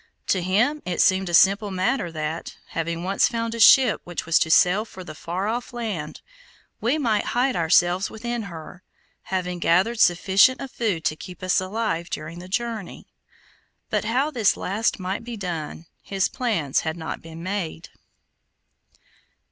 To him it seemed a simple matter that, having once found a ship which was to sail for the far off land, we might hide ourselves within her, having gathered sufficient of food to keep us alive during the journey. But how this last might be done, his plans had not been made.